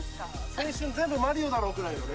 青春全部『マリオ』だろぐらいのね。